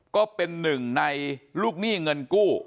ก็เป็นหนึ่งในลูกหนี้เงินกู้